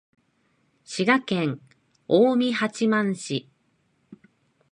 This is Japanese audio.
滋賀県近江八幡市